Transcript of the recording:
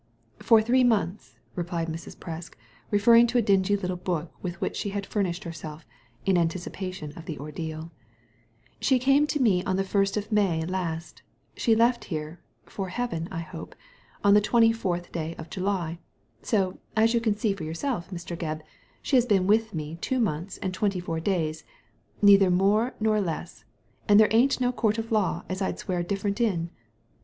" For three months," replied Mrs. Presk, referring to a dingy little book with which she had furnished herself, in anticipation of the ordeaL ''She came to me on the first of May last ; she left here — for heaven, I hope— on the twenty fourth day of July ; so, as you can see for yourself, Mr. Gebb, she has been with me two months and twenty four days, neither more nor less ; and there ain't no Court of Law as I'd swear different in."